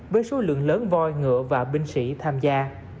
với số lượng lớn voi ngựa và binh sĩ tham gia